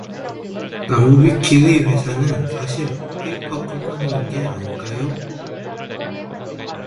나무위키의 회사는 사실 페이퍼 컴퍼니인게 아닐까요?